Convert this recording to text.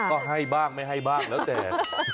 ก็ให้บ้างไม่ให้บ้างแล้วแต่